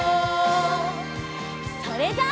それじゃあ。